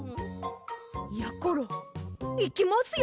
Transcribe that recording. やころいきますよ。